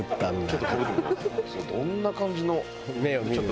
どんな感じの。